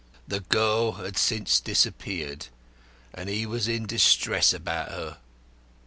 The girl had since disappeared, and he was in distress about her.